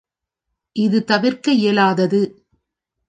இது தவிர்க்க இயலாதது.